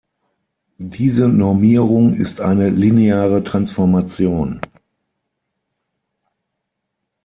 Diese Normierung ist eine lineare Transformation.